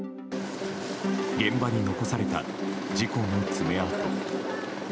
現場に残された事故の爪痕。